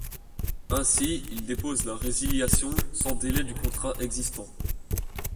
Ainsi, il dépose la résiliation sans délai du contrat existant.